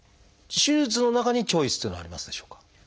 手術の中にチョイスっていうのはありますでしょうか？